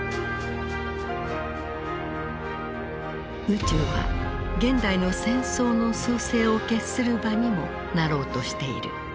宇宙は現代の戦争の趨勢を決する場にもなろうとしている。